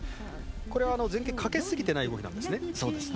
これは前傾かけすぎてない動きなんですね。